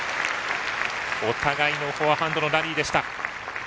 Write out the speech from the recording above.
お互いのフォアハンドのラリー。